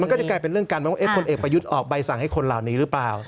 ก็จะกลายเป็นเรื่องการเมืองว่าพลเอกประยุทธ์ออกใบสั่งให้คนเหล่านี้หรือเปล่า